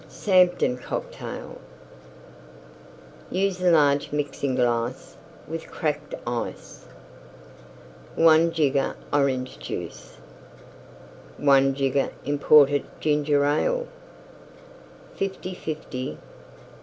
SAMTON COCKTAIL Use a large Mixing glass with Cracked Ice. 1 jigger Orange Juice. 1 jigger imported Ginger Ale. Fifty fifty.